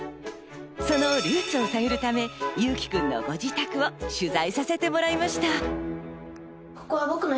そのルーツを探るため、侑輝くんのご自宅を取材させてもらいました。